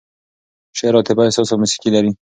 شعر عاطفه، احساس او موسیقي لري.